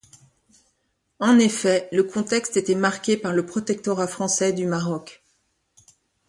En effet le contexte était marqué par le protectorat français du Maroc.